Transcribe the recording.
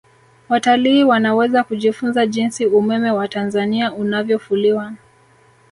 watalii wanaweza kujifunza jinsi umeme wa tanzania unavyofuliwa